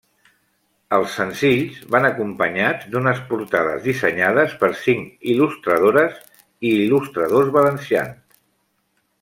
Els senzills van acompanyats d'unes portades dissenyades per cinc il·lustradores i il·lustradors valencians.